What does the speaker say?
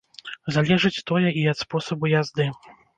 Залежыць тое і ад спосабу язды.